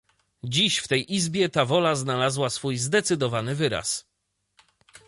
Dziś w tej Izbie ta wola znalazła swój zdecydowany wyraz!